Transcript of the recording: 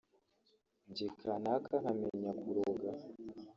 Jye kanaka nkamenya kuroga